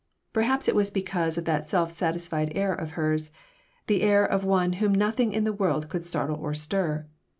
Perhaps it was because of that self satisfied air of hers, the air of one whom nothing in the world could startle or stir.